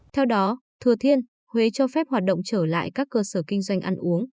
theo đó thừa thiên huế cho phép hoạt động trở lại các cơ sở kinh doanh ăn uống